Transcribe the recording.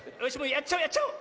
やっちゃおうやっちゃおう。